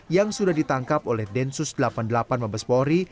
yang sudah ditangkap oleh densus delapan puluh delapan mabespori